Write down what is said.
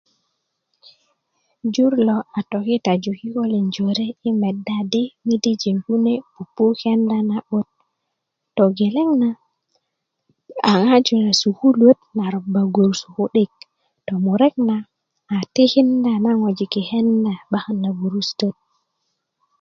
jur lo a tokitaju kikolin jore yi meda di midijin kune pupu kenda na 'but togelen na a ŋaju na sukuluöt na roba gurut ku'dik tomurek na a tikinda na ŋojik yi kenda 'bakan na gurusutöt